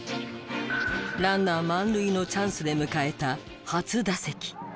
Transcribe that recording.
ランナー満塁のチャンスで迎えた初打席。